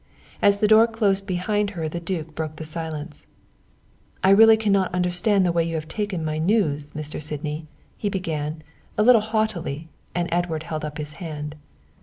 As the door closed behind her the duke broke the silence. "I really cannot understand the way you have taken my news, Mr. Sydney," he began, a little haughtily, and Edward held up his hand.